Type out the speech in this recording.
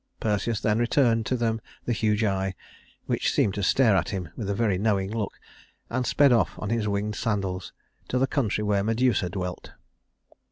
Perseus then returned to them the huge eye, which seemed to stare at him with a very knowing look, and sped off on his winged sandals to the country where Medusa dwelt.